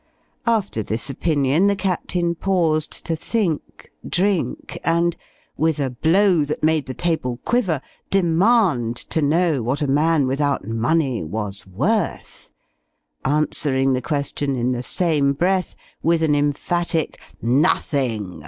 After this opinion the Captain paused to think, drink, and with a blow that made the table quiver, demand, to know what a man without money was worth? answering the question, in the same breath, with an emphatic _nothing!